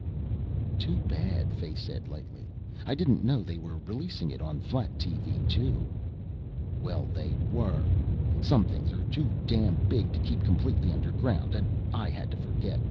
"Too bad," Fay said lightly. "I didn't know they were releasing it on flat TV too." "Well, they were! Some things are too damn big to keep completely underground. And I had to forget!